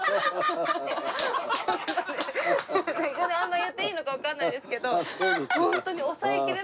これあんま言っていいのかわかんないですけど。